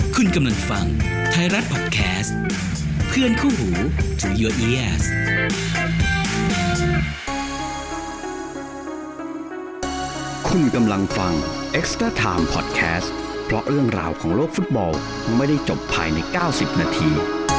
คุณกำลังฟังไทยรัฐพอดแคสต์เพื่อนคู่หูที่คุณกำลังฟังพอดแคสต์เพราะเรื่องราวของโลกฟุตบอลไม่ได้จบภายใน๙๐นาที